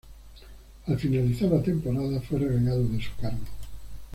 Al finalizar la temporada fue relegado de su cargo.